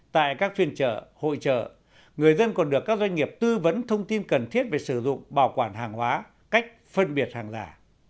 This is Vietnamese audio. tại các phiên chợ hội trợ người dân còn được các doanh nghiệp tư vấn thông tin cần thiết về sử dụng bảo quản hàng hóa cách phân biệt hàng giả